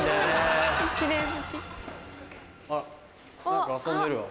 あらっ何か遊んでるわ。